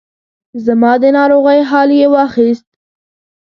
زما د ناروغۍ حال یې واخیست.